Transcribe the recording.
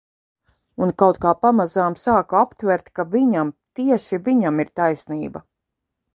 Un kaut kā pamazām sāku aptvert, ka viņam, tieši viņam ir taisnība.